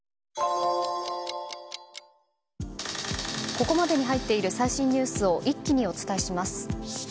ここまでに入っている最新ニュースを一気にお伝えします。